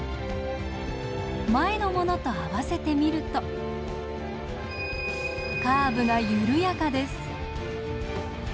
前のものと合わせてみるとカーブが緩やかです。